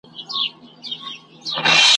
ولي ورک درڅه نفس پرخپل کوګل دئ